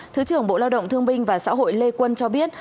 thứ trưởng bộ lao động thương binh và xã hội lê quân cho biết